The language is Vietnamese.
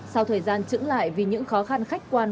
sau thời gian trứng lại vì những khó khăn khách quan